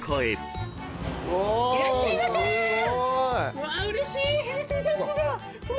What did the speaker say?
うわうれしい！